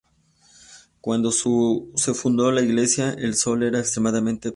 Cuando se fundó la iglesia, el solar era extremadamente pantanoso.